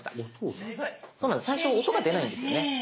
最初音が出ないんですね。